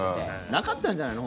なかったんじゃないの？